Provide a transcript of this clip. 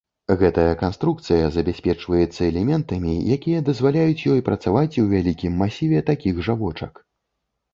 Гэтая канструкцыя забяспечваецца элементамі, якія дазваляюць ёй працаваць у вялікім масіве такіх жа вочак.